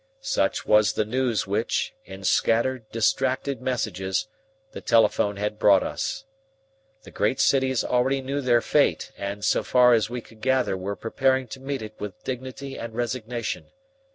Such was the news which, in scattered, distracted messages, the telephone had brought us. The great cities already knew their fate and so far as we could gather were preparing to meet it with dignity and resignation.